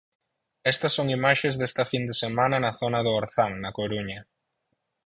Estas son imaxes desta fin de semana na zona do Orzán, na Coruña.